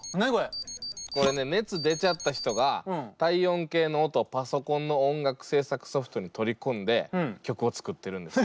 これね熱出ちゃった人が体温計の音をパソコンの音楽制作ソフトに取り込んで曲を作ってるんです。